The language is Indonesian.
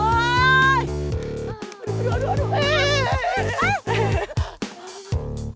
aduh aduh aduh